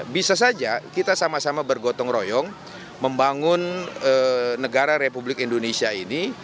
bisa saja kita sama sama bergotong royong membangun negara republik indonesia ini